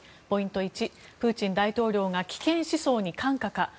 ポイント１、プーチン大統領が危険思想に感化か。